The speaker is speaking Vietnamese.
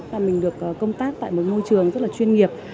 và mình được công tác tại một môi trường rất là chuyên nghiệp